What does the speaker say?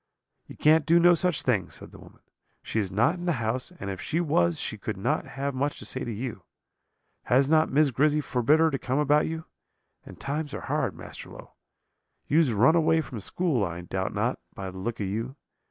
"'You can't do no such thing,' said the woman; 'she is not in the house, and if she was she could not have much to say to you. Has not Miss Grizzy forbid her to come about you? and times are hard, Master Low. You has run away from school, I doubt not, by the look of you.